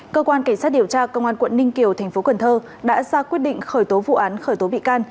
cơ quan cảnh sát điều tra công an quận ninh kiều thành phố cần thơ đã ra quyết định khởi tố vụ án khởi tố bị can